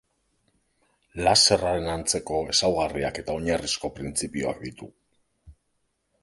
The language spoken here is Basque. Laserraren antzeko ezaugarriak eta oinarrizko printzipioak ditu.